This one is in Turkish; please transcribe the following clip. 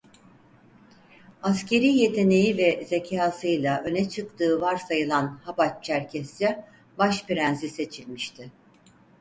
Askerî yeteneği ve zekâsıyla öne çıktığı varsayılan Hapaç Çerkesya Baş Prensi seçilmişti.